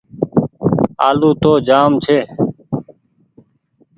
آلو تو جآم ڇي۔